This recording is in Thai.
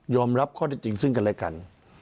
รับข้อได้จริงซึ่งกันและกัน